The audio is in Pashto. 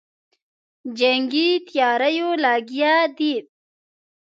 جنګي تیاریو لګیا دی.